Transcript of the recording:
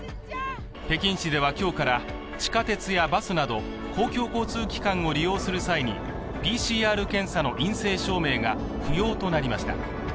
北京市では今日から地下鉄やバスなど公共交通機関を利用する機会にＰＣＲ検査の陰性証明が不要となりました。